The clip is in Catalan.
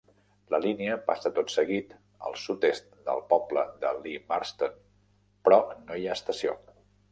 La línia passa tot seguit al sud-est del poble de Lea Marston, però no hi ha estació